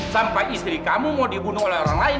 sampai istri kamu mau dibunuh oleh orang lain